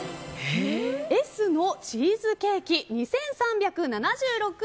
Ｓのチーズケーキ、２３７６円。